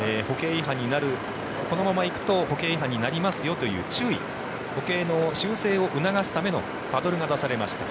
このまま行くと歩型違反になりますよという注意が歩型の修正を促すためのパドルが出されました。